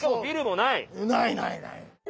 ないないない！